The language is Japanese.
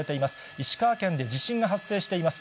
石川県で地震が発生しています。